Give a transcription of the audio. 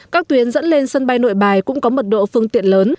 các tuyến dẫn lên sân bay nội bài cũng có mật độ phương tiện lớn